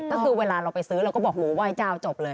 ก็คือเวลาเราไปซื้อเราก็บอกหมูไหว้เจ้าจบเลย